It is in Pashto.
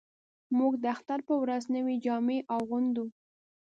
موږ د اختر په ورځ نوې جامې اغوندو